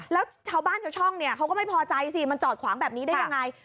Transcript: แล้วชาวบ้านชาวช่องเนี่ยเขาก็ไม่พอใจสิมันจอดขวางแบบนี้ได้ยังไง